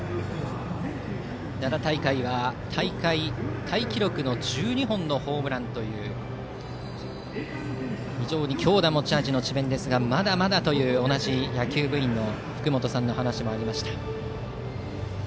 奈良大会は大会タイ記録の１２本のホームランという非常に強打が持ち味の智弁ですがまだまだという同じ野球部員のふくもとさんの話もありました。